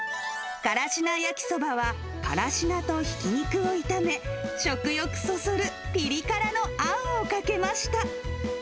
からし菜焼きそばは、からし菜とひき肉を炒め、食欲そそるぴり辛のあんをかけました。